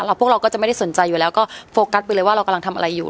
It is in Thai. พวกเราก็จะไม่ได้สนใจอยู่แล้วก็โฟกัสไปเลยว่าเรากำลังทำอะไรอยู่